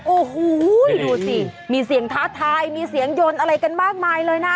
โอ้โหดูสิมีเสียงท้าทายมีเสียงยนต์อะไรกันมากมายเลยนะ